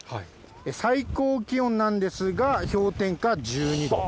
最高気温なんですが、氷点下１２度。